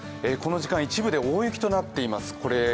この時間、一部で大雪となっています。